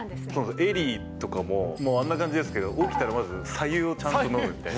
ＥＬＬＹとかも、もうあんな感じですけど、起きたらまずさ湯をちゃんと飲むみたいな。